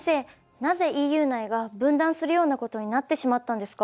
なぜＥＵ内が分断するようなことになってしまったんですか？